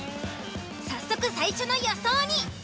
早速最初の予想に。